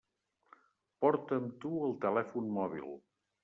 Porta amb tu el telèfon mòbil.